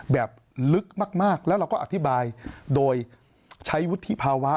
แบบลึกมากแล้วเราก็อธิบายโดยใช้วุฒิภาวะ